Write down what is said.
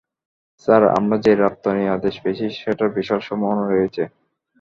Sir, আমারা যে রপ্তানি আদেশ পেয়েছি সেটার বিশাল সম্ভাবনা রয়েছে।